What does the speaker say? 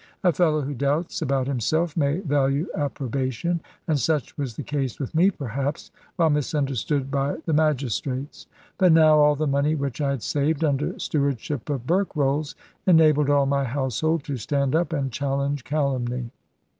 A fellow who doubts about himself may value approbation; and such was the case with me, perhaps, while misunderstood by the magistrates. But now all the money which I had saved, under stewardship of Berkrolles, enabled all my household to stand up and challenge calumny.